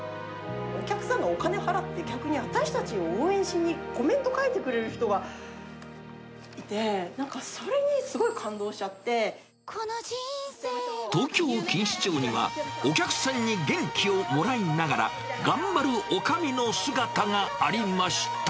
お客さんがお金払って、逆に、私たちを応援しにコメント書いてくれる人がいて、なんかそれに、東京・錦糸町には、お客さんに元気をもらいながら、頑張るおかみの姿がありました。